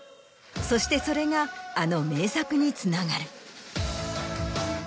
そしてそれがあの名作につながる。